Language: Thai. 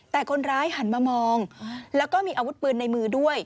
แต่คนร้ายหันมามองแล้วก็มีอาวุธปืนในมือด้วย